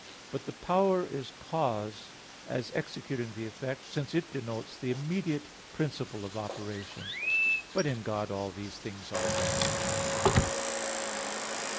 But the power is cause, as executing the effect, since it denotes the immediate principle of operation. But in God all these things are one.